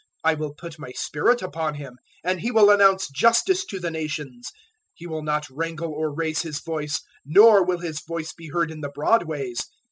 I will put My spirit upon Him, and He will announce justice to the nations. 012:019 He will not wrangle or raise His voice, nor will His voice be heard in the broadways.